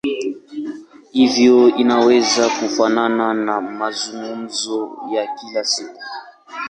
Hivyo inaweza kufanana na mazungumzo ya kila siku.